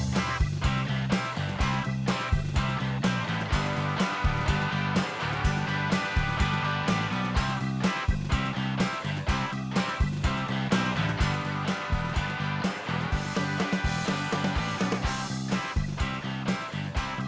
โปรดติดตามตอนต่อไป